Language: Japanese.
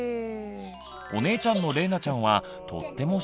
お姉ちゃんのれいなちゃんはとっても静か。